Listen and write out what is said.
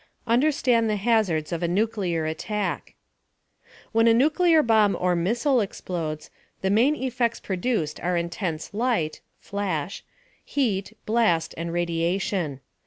UNDERSTAND THE HAZARDS OF NUCLEAR ATTACK When a nuclear bomb or missile explodes, the main effects produced are intense light (flash), heat, blast, and radiation.